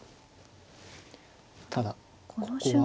ただここは。